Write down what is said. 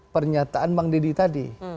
pernyataan bang deddy tadi